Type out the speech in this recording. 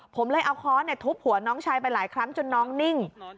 ผมเลยเอาค้อนทุบหัวน้องชายไปหลายครั้งจนน้องนิ่ง